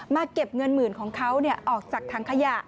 เก็บเงินหมื่นของเขาออกจากถังขยะ